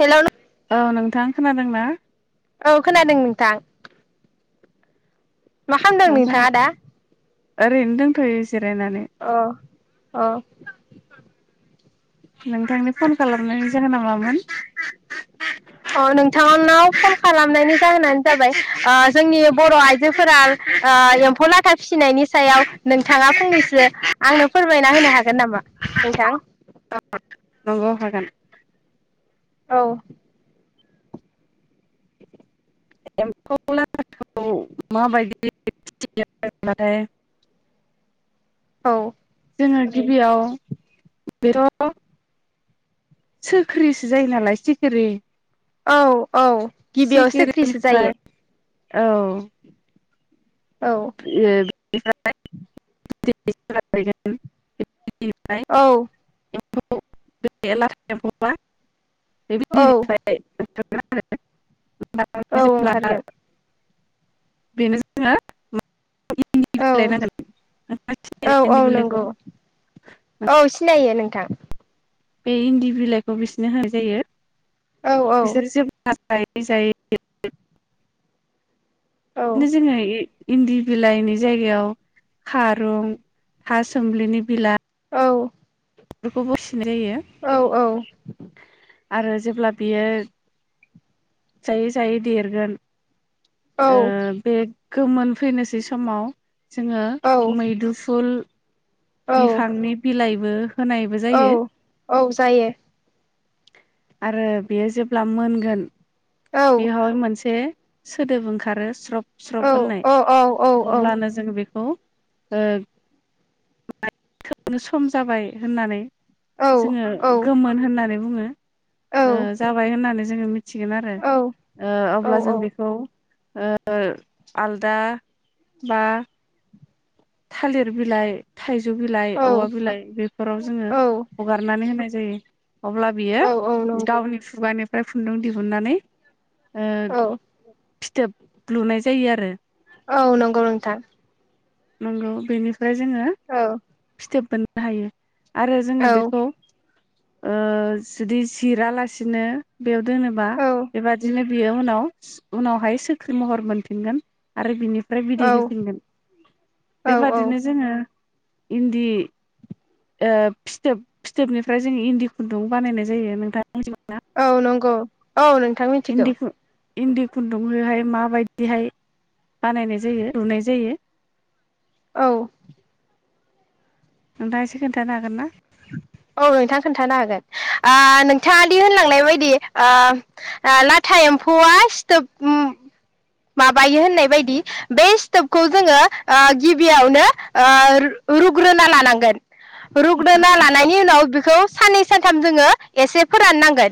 Hello औ नोंथां। खोनादोंना? औ खोनादों नोंथां। मा खालामदों नोंथां नोंथाङा दा? ओरैनो दोंथ'यो जिरायनानै अ अ। नोंथांनि फन खालामनाय जाहोना मामोन? अ नोंथांनाव फन खालामनायनि जाहोनानो जाबाय ओ जोंनि बर' आइजोफोरा एम्फौ ला था फिसिनायनि सायाव नोंथाङा फंनैसो आंनो फोरमायना होनो हागोन नामा नोंथां? नंगौ हागोन। औ। एम्फौ लाथाखौ माबायदियै फिसियो होनबाथाय औ जोङो गिबियाव [unintelligible] सोरख्रिसो जायो नालाय सिखिरि औ। औ गिबियाव सोख्रिसो सिखिरिनिफ्राय जायो। औ। औ [unintelligible] [unintelligible] औ। एम्फौ बे लाथा एम्फौया औ [unintelligible] औ ओंखारगोन [unintelligible] [unintelligible] [unintelligible] जोङो औ [unintelligible] औ औ इन्दि बिलाइखौ नंगौ थां। बे इन्दि बिलाइखौ बिसिनो होनाय जायो। औ औ। बिसोर [unintelligible] औ [unintelligible] इन्दि बिलाइनि जायगायाव खारुं थासोमलिनि बिलाइ औ बेखौबोस औ औ आरो जेब्ला बियो जायै जायै देरगोन ओ बे गोमोनफैनोसै समाव जोङो औ मैदुफुल औ बिफांनि बिलाइबो होनायबो जायो औ औ जायो आरो बेयो जेब्ला मोनगोन औ बेहाय मोनसे सोदोब ओंखारो स्रब औ स्रब होननाय औ औ औ औ अब्लानो जों बेखौ ओ [unintelligible] सम जाबाय होननानै जोङो औ गोमोन होननानै बुङो। [inaudible] ओ जाबाय होननानै जोङो मिथ थिगोन आरो अब्ला जों बेखौ ओ आलदा बा थालिर बिलाइ थाइ जौ बिलाइ, औवा बिलाइ बेफोराव जोङो हगारनानै होनाय जायो जायो अब्ला औ बियो नंगौ गावनि खुगानि फ्राय फुन्दुं दिहुननानै ओ औ फिथोब लुनाय जायो आरो। औ नंगौ नोंथां नंगौ बेनि फ्राय जोङो औ फिथोब बोन बाहायो आरो जोङो औ बेखौ ओ जुदि जिरालासिनो बेयाव दोनोबा औ बेबादिनो बियो उनाव उनावहाय सोख्रि महर मोनफिनगोन आरो बिनि फ्राय बिदै औ होफिनगोन। औ बेबादिनो जोङो इन्दि ओ फिथोब फिथोबनिफ्राय जों इन्दि खुन्दुं बानायनाय जायो नोंथां। मिथिगौना औ नंगौ। औ नोंथां मिथिगौ। इन्दि इन्दि खुन्दुंजोंहाय माबायदिहाय बानायनाय जायो लुनाय जायो? औ। नोंथांङा एसे खोन्थानो हागोनना? औ नोंथां खोन्थानो हागोन ओ नोंथाङा दि होनलांनाय बायदि ओ ओ लाथा एम्फौआ सिथोब माबायो होननाय बायदि बे सिथोबखौ जोङो ओ गिबियावनो ओ रुग्रोना लानांगोन रु रुग्रोना लानायनि उनाव बेखौ साननै सानथाम जोङो एसे फोराननांगोन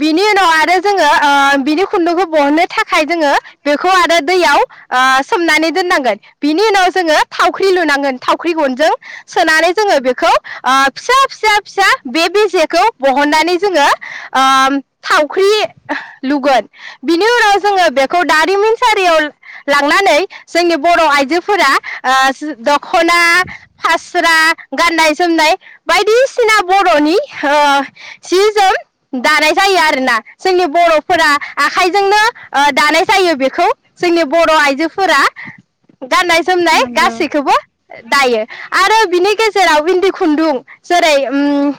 बिनि उनाव आरो जोङो ओ बिनि खुन्दुंखौ बहननो थाखाय जोङो बेखौ आरो दैयाव ओ सोमनानै दोननांगोन बिनि उनाव जोङो थावख्रि लुनांगोन थावख्रि गनजों सोनानै जोङो बेखौ ओ फिसा फिसा फिसा बे बेजेखौ बहननानै जोङो ओ थावख्रि लुगोन बिनि उनाव जोङो बेखौ दारिमिन सारियाव लांनानै जोंनि बर' आइजोफोरा दख'ना फास्रा गाननाय जोमनाय बायदिसिना बर'नि ओ सि जोम दानाय जायो आरोना जोंनि बर'फोरा आखाइजोंनो ओ दानाय जायो बेखौ जोंनि बर' आइजोफोरा गाननाय जोमनाय नंगौ गासैखौबो दायो आरो बिनि गेजेराव इन्दि खुन्दुं जेरै ओ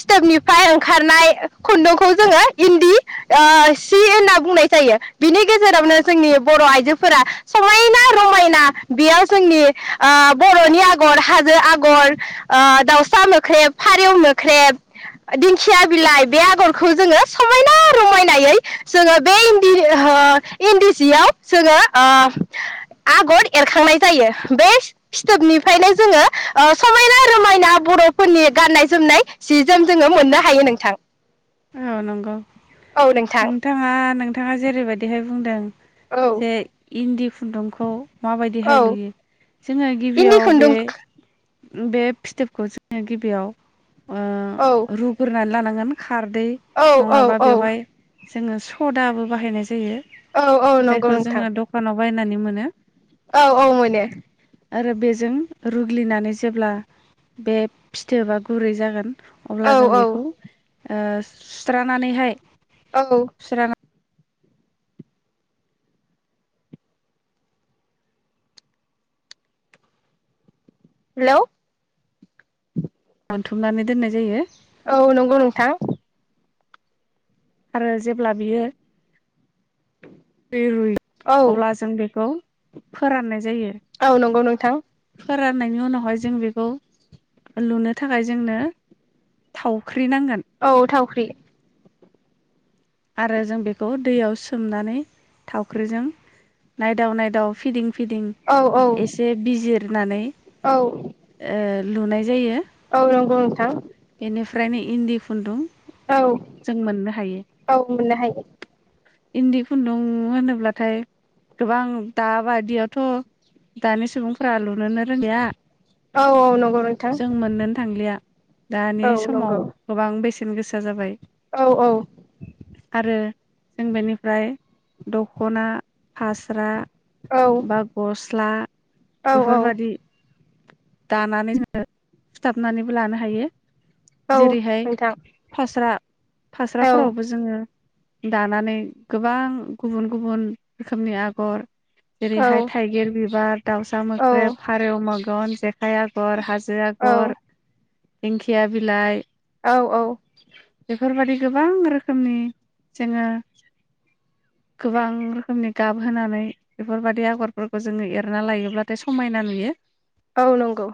सिथोबनिफ्राय ओंखारनाय खुन्दुंखौ जोङो इन्दि ओ सि होनना बुंनाय जायो बिनि गेजेरावनो जोंनि बर' आइजोफोरा समायना रमायना बेयाव जोंनि ओ बर'नि आगर हाजो आगर हाजो आगर ओ दाउसा मोख्रेब फारेव मोख्रेब दिंखिया बिलाइ बे आगरखौनो जोङो समायना रमायनायै जोङो बे इन्दि ओ इन्दि जियाव जोङो ओ आगर एरखांनाय जायो बे फिथोबनिफ्रायनो जोङो समायना रमायना बर'फोरनि गाननाय जोमनाय जि जोम जोङो मोननो हायो नोंथां। औ नंगौ औ नोंथां नोंथाङा नोंथाङा जेरैबायदिहाय बुंदों औ। जे इन्दि खुन्दुंखौ औ माबायदिहाय लुयो? जोङो इन्दि गिबियाव बे खुन्दुं बे फिथोबखौ जोङो गिबियाव ओ औ रुग्रोनानै लानांगौ। [inaudible] खारदै औ औ नङाबा औ बेवहाय जोङो सदाबो बाहायनाय जायो। औ औ नंगौ जायखौ नोंथां। जोङो दखानाव बायनानै मोनो। औ औ मोनो। आरो बेजों रुग्लिनानै जेब्ला बे फिथोबा गुरै जागोन औ अब्ला जों बेखौ ओ सुस्रानानैहाय औ। सुस्राना हेलौ बोनथुमनानै दोननाय जायो। औ नंगौ नोंथां। आरो जेब्ला बियो‌ रुय रुय औ अब्ला जों बेखौ फोराननाय जायो औ नंगौ नोंथां फोराननायनि उनावहाय जों बेखौ लुनो थाखाय जोंनो थावख्रि नांगोन औ थावख्रि आरो जों बेखौ दैयाव सोमनानै थावख्रिजों नायदाव नायदाव फिदिं फिदिं औ औ एसे बिजिरनानै औ ओ लुनाय जायो। औ नंगौ नोंथां। फ्रायनो इन्दि खुन्दुं औ जों मोननो हायो औ मोननो हायो। इन्दि खुन्दुं होनोब्लाथाय गोबां दाबायदियावथ' दानि सुबुंफोरा लुनोनो रोंलिया औ औ नं जों मोननोनो थांलिया। दानि औ नंगौ समाव गोबां बेसे सेन गोसा जाबाय। औ औ आरो जों बेनिफ्राय दख'ना फास्रा औ बा गस्ला औ औ बेफोरबादि दानानै जों सुथाबनानैबो लानो हायो। औ जेरैहाय नोंथां फास्रा औ फास्राफोरावबो जोङो दानानै गोबां गुबुन गुबुन रोखोमनि आगर औ जेरैहाय थाइगिर बिबार दाउसा मोख्रेब फारौ मगन हायागर हाज जायागर दिंखिया बिलाइ औ औ। बेफोरबायदि गोबां रोखोमनि जोङो गोबां रोखोमनि गाब होनानै बेफोरबायदि आगरफोरखौ जोङो एरना लायोब्लाथाय समायना नुयो। औ नंगौ।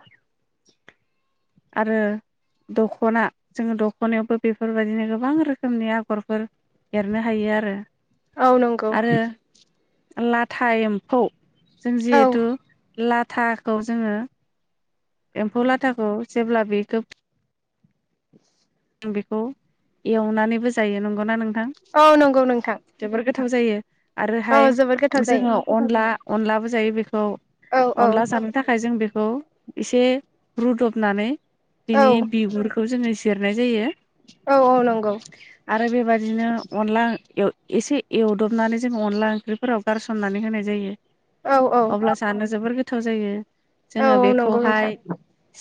आरो दख'ना जोङो दख'नायावबो बेफोरबायदिनो गोबां रोखोमनि आगरफोर एरनो हायो आरो। औ नंगौ। आं लाथा एम्फौ। जों औ जिहेथु ला थाखौ जोङो। एम्फौ लाथाखौ जेब्ला बेखौ [inaudible] बेखौ एवनानैबो जायो नंगौना नों औ नंगौ नोंथां। थाव जायो। औ आरोहाय जोबोद गोथाव जोङो जायो अनला अनलाबो जायो बे खौ औ औ अनला जानो थाखाय जों बे खौ एसे रुदबनानै औ बिनि बिगुरखौ जोङो इ हरनाय जायो। औ औ नंगौ आरो बेबादिनो अनला एसे एवदबनानै जों अनला ओंख्रिफोराव गारसननानै होनाय जायो। औ औ अब्ला सानो जोबोर गो थाव जायो। औ जोङो नंगौ नोंथां बेखौहाय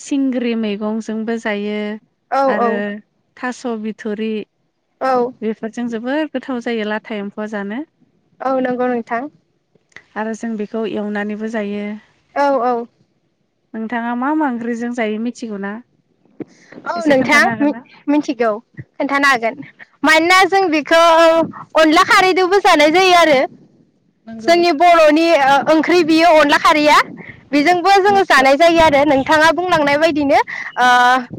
सिंग्रि मैगंजोंबो जायो। औ औ आरो थास बिथरि औ बेफोरजों जोबोर गोथाव जायो लाथा एमफौआ जानो। औ नंगौ नोंथां। आरो जों बेखौ एवनानैबो जायो। औ औ नोंथाङा मा मा ओंख्रिजों जायो मिथिगौ ना औ एसे नों थां खोन्थानो हागोन मु ना मिथिगौ खोन्थानो हागोन मानोना जों बेखौ अनला खारैदोबो जानाय जायो आरो नंगौ जोंनि बरनि ओ ओंख्रि बियो अनला खारैया बेजोंबो जोङो जानाय जायो आरो नोंथाङा बुंलांनाय बायदिनो ओ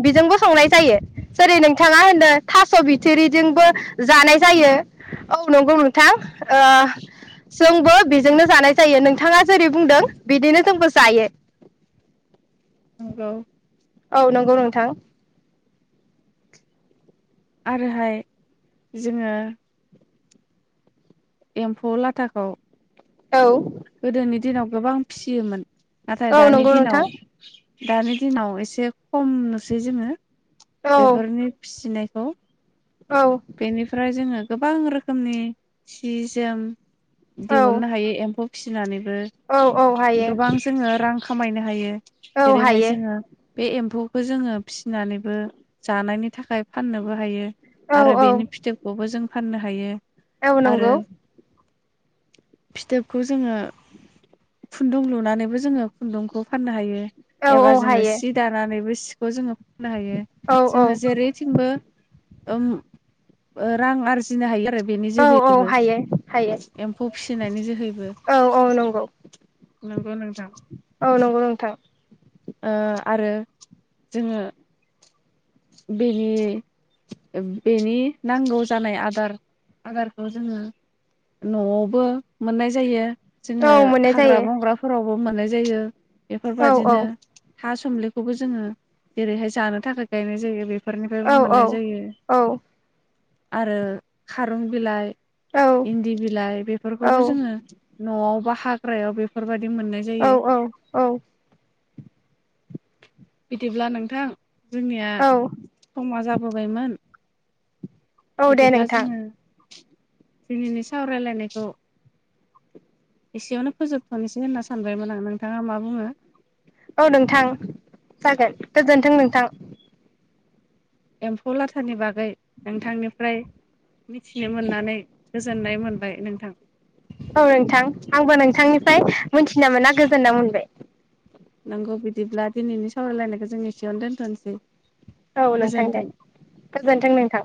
बिजोंबो संनाय जायो जेरै नोंथाङा होनदों थास' बिथुरिजोंबो जानाय जायो औ नंगौ नोंथां। ओ जोंबो बेजोंनो जानाय जायो नोंथाङा जेरै बुंदों बिदिनो जोंबो जायो। औ औ नंगौ नोंथां आरोहाय जोङो एम्फौ लाथाखौ औ गोदोनि दिनाव गोबां फिसियोमोन नाथाय औ दानि नंगौ दिनाव नोंथां दानि दिनाव एसे खम नुसै जोङो औ बेफोरनि फिसिनाय खौ औ बेनिफ्राय जोङो गोबां रोखोमनि सि जोम औ दिहुननो हायो एम्फौ फिसिनानैनो औ औ ओ हायो गोबां जोङो रां खामायनो हायो औ जेरैहाय हायो जोङो बे एम्फौ खौ जोङो फिसिनानैबो जानायनि थाखाय फाननोबो हायो औ आरो औ बेनि फिथोबखौबो जों फाननो हायो औ आरो नंगौ फिथोबखौ जोङो खुन्दुं लुनानैबो जोङो खुन्दुंखौ फाननो हायो औ एबा औ जोङो हायो सि दानानैबो सि खौ जोङो हायो औ जोङो औ जेरैथिंबो ओं ओ रां आरजिनो हायो आरो बेनि औ औ जोहैबो हायो हायो एम्फौ फिसिनायनि जोहैबो औ औ नंगौ नंगौ नोंथां थां ओ आरो जोङो बेनि-बेनि नांगौ जानाय आदार-आदारखौ जोङो नआवबो मोननाय जायो जोङो औ मोननाय हाग्रा जायो बंग्राफोराव बाव मोननाय जायो औ बेफोरबायादिनो थास सुमलिखौबो जोङो जेरैहाय जानो थाखाय गायनाय ज जायो बे बेफोरनिफ्रायबो औ औ मोननाय औ जायो। औ आरो खारं बिलाइ औ - इन्दि बिलाइ बेफोरखौबो जोङो न'आव बाहा हाग्रायाव बेफोरबाय दि मोननाय जायो। औ औ बिदिब्ला नोंथां - जोंनिया औ समा जाबोबायमोन। औ दे बिदिब्ला नोंथां जोङो दिनैनि सावरायलायनायखौ एसेयावनो फोजोबथनोसै होनना सानबायमोन आं नोंथाङा मा बुङो? औ नोंथां। जागोन गोजोन्थों नों थां। एम्फौ लाथानि बागै नोंथांनिफ्राय मिथिनो मोननानै गोजोननाय मोनबाय नोंथां। औ नोंथां आंबो नोंथांनिफ्राय मोनथिना मोना गोजोनना मोनबाय। नगौ बिदिब्ला दिनैनि सावरायलायनायखौ जों एसेयावनो दोनथनोसै। औ नोंथां दे गोजोन्थों गोजोनथों नोंथां।